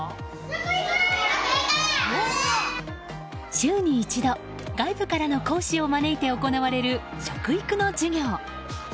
週に一度、外部から講師を招いて行われる食育の授業。